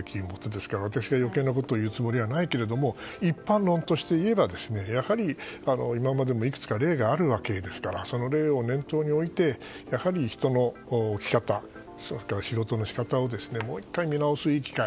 ですから私は余計なことを言うつもりはないですが一般論として言えばやはり今までもいくつか例があるわけですからその例を念頭に置いてやはり人の指揮の仕方仕事の仕方を見直すいい機会。